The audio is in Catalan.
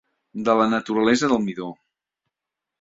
De la naturalesa del midó.